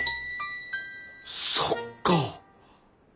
そっか！